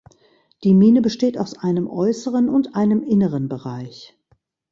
Die Mine besteht aus einem äußeren und einem inneren Bereich.